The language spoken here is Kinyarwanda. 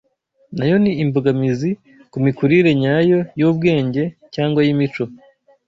nayo ni imbogamizi ku mikurire nyayo y’ubwenge cyangwa iy’imico.